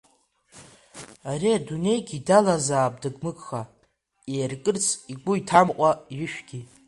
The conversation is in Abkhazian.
Ари адунеигьы далазаап дыгмыгха, иаиркырц игәы иҭамкәа ишәгьы.